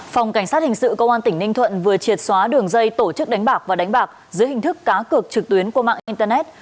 phòng cảnh sát hình sự công an tỉnh ninh thuận vừa triệt xóa đường dây tổ chức đánh bạc và đánh bạc dưới hình thức cá cược trực tuyến qua mạng internet